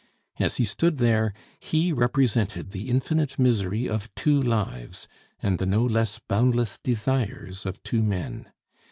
As he stood there, he represented the infinite misery of two lives, and the no less boundless desires of two men.